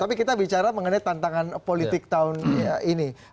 tapi kita bicara mengenai tantangan politik tahun ini